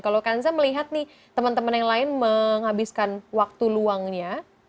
kalau kanza melihat nih teman teman yang lain menghabiskan waktu luangnya